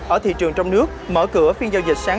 ở thị trường trong nước mở cửa phiên giao dịch sáng